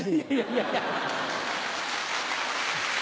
いやいや。